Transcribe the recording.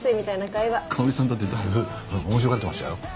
かほりさんだってだいぶ面白がってましたよ。